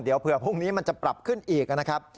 เดี๋ยวเผื่อพรุ่งนี้มันจะปรับขึ้นอีกนะครับ